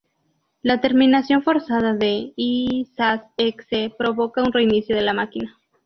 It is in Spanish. La terminación forzada de lsass.exe provoca un reinicio de la máquina.